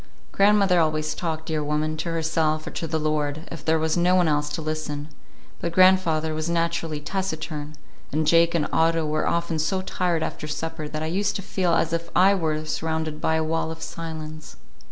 Grandmother always talked, dear woman; to herself or to the Lord, if there was no one else to listen; but grandfather was naturally taciturn, and Jake and Otto were often so tired after supper that I used to feel as if I were surrounded by a wall of silence.